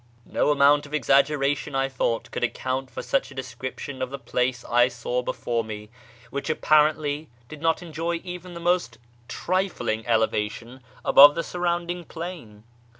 JSTo amount of exaggeration, I thought, could account for such a description of the place I saw before me, which apparently did not enjoy even the most trifling elevation above the surrounding plain.